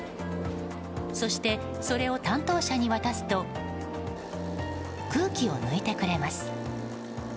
そして、それを担当者に渡すと空気を抜いてくれます。